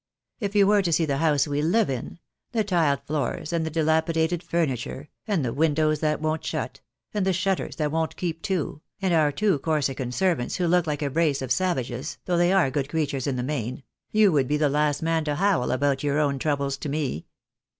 If you were to see the house we live in — the tiled floors and the dilapidated furniture — and the windows that won't shut — and the shutters that won't keep to, and our two Corsican servants who look like a brace of savages, though they are good creatures in the main — you would be the last man to howl about your own troubles to me.